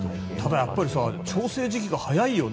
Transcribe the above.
やっぱり調整時期が早いよね。